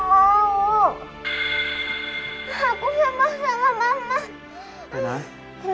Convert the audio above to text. aku gak mau